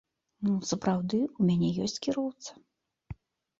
Сапраўды, у мяне ёсць кіроўца.